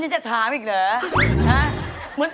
อยากจะได้แอบอิ่ง